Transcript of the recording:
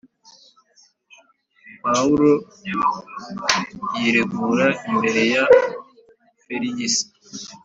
Pawulo yiregura imbere ya Feligisi